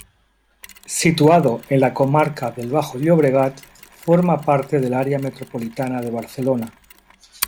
Situado en la comarca del Bajo Llobregat, forma parte del área metropolitana de Barcelona.